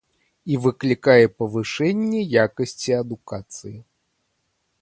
І выклікае павышэнне якасці адукацыі.